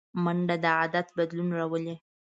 منډه د عادت بدلون راولي